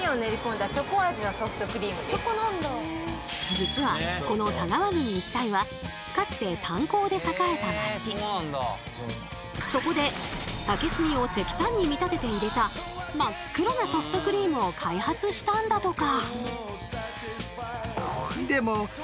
実はこの田川郡一帯はかつてそこで竹炭を石炭に見立てて入れた真っ黒なソフトクリームを開発したんだとか。